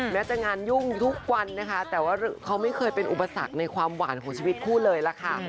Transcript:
แม้จะงานยุ่งทุกวันนะคะแต่ว่าเขาไม่เคยเป็นอุปสรรคในความหวานของชีวิตคู่เลยล่ะค่ะ